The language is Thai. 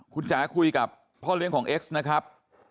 คุณจ๋าคุยกับพ่อเลี้ยงของเอ็กซ์นะครับ